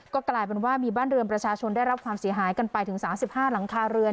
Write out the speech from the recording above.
ก็กลายเป็นว่ามีบ้านเรือนประชาชนได้รับความเสียหายกันไปถึง๓๕หลังคาเรือน